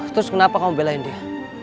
terus kenapa kamu belain dia